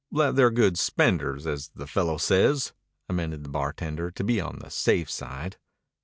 " that they're good spenders, as the fellow says," amended the bartender, to be on the safe side.